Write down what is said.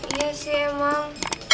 iya sih emang